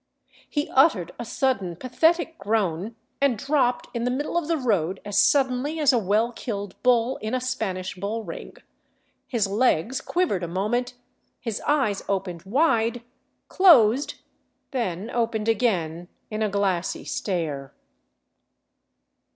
He uttered a sudden pathetic groan, and dropped in the middle of the road as suddenly as a well killed bull in a Spanish bull ring; his legs quivered a moment, his eyes opened wide, closed, then opened again in a glassy stare.